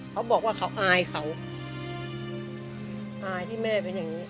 เขาบอกว่าเขาอายเขาอายที่แม่เป็นอย่างนี้